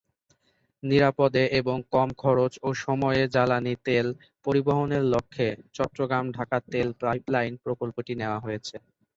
নিরাপদে এবং কম খরচ ও সময়ে জ্বালানি তেল পরিবহনের লক্ষ্যে চট্টগ্রাম-ঢাকা তেল পাইপলাইন প্রকল্পটি নেয়া হয়েছে।